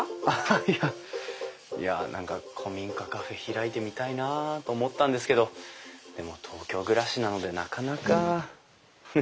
ああいやいや何か古民家カフェ開いてみたいなと思ったんですけどでも東京暮らしなのでなかなか。